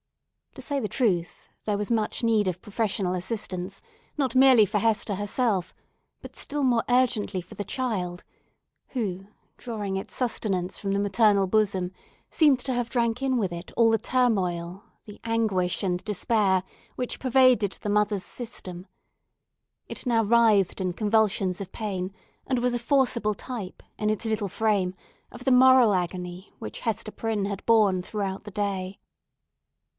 To say the truth, there was much need of professional assistance, not merely for Hester herself, but still more urgently for the child—who, drawing its sustenance from the maternal bosom, seemed to have drank in with it all the turmoil, the anguish and despair, which pervaded the mother's system. It now writhed in convulsions of pain, and was a forcible type, in its little frame, of the moral agony which Hester Prynne had borne throughout the day.